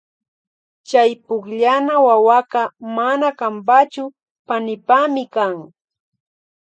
Chay pukllana wawaka mana kanpachu panipami kan.